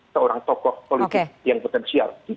seorang tokoh politik yang potensial